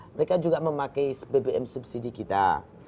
mereka juga memakai bbm subsidi kita